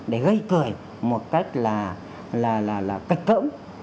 để gây cười một cách là là là là cạch cỡng